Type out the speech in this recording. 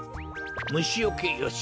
むしよけよし。